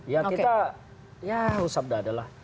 ya kita ya usap dada lah